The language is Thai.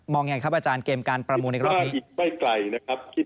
มองไงครับอาจารย์เกมการประมูลในกรอบนี้